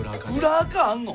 裏アカあんの！？